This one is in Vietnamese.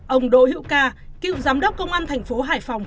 ông đỗ hữu ca cựu giám đốc công an thành phố hải phòng